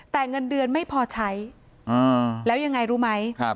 แต่เงินเดือนไม่พอใช้แล้วยังไงรู้ไหม